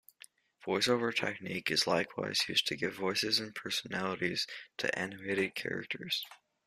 Voice-over technique is likewise used to give voices and personalities to animated characters.